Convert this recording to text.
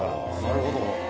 なるほど。